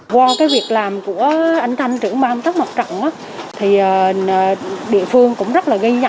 qua cái việc làm của anh thanh trưởng ba ông tất mộc trọng thì địa phương cũng rất là gây nhận